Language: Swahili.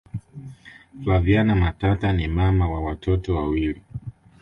flaviana matata ni mama wa watoto wawilii